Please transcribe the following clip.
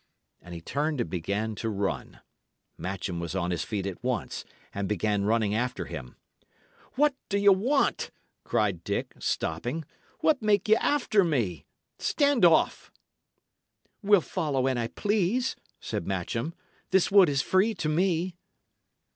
And he turned and began to run. Matcham was on his feet at once, and began running after him. "What d'ye want?" cried Dick, stopping. "What make ye after me? Stand off!" "Will follow an I please," said Matcham. "This wood is free to me."